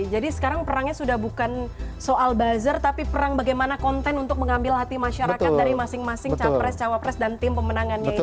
jadi sekarang perangnya sudah bukan soal buzzer tapi perang bagaimana konten untuk mengambil hati masyarakat dari masing masing capres cawapres dan tim pemenangannya ini ya